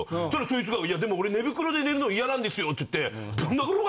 そいつが「いやでも俺寝袋で寝るの嫌なんですよ」って言って。